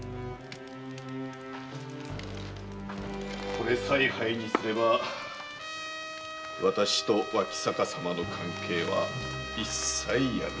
これさえ灰にすれば私と脇坂様の関係は一切闇の中。